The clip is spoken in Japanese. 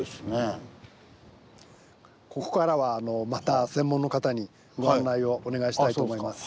ここからはまた専門の方にご案内をお願いしたいと思います。